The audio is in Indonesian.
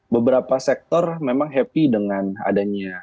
beberapa sektor memang happy dengan adanya